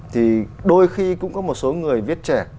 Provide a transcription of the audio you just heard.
thì đôi khi cũng có một số người viết trẻ